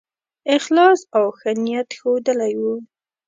اخلاص او ښه نیت ښودلی وو.